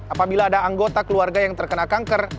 apabila ada anggota keluarga yang terkena kanker